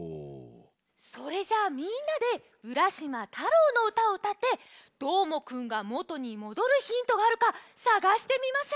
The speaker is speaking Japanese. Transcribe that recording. それじゃあみんなで「浦島太郎」のうたをうたってどーもくんがもとにもどるヒントがあるかさがしてみましょう！